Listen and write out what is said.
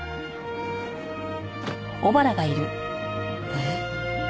えっ？